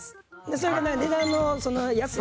それで値段の安い。